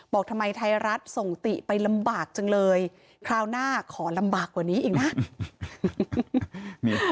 บอกทำไมไทยรัฐส่งติไปลำบากจังเลยคราวหน้าขอลำบากกว่านี้อีกนะ